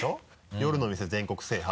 夜の店全国制覇。